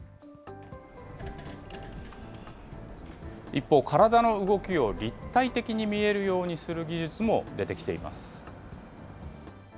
一方、体の動きを立体的に見えるようにする技術も出てきています。